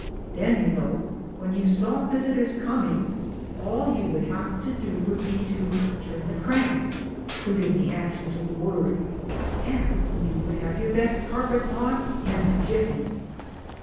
Then, you know, when you saw visitors coming, all you would have to do would be to turn the crank (suiting the action to the word), and you would have your best carpet on in a jiffey